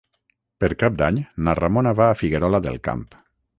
Per Cap d'Any na Ramona va a Figuerola del Camp.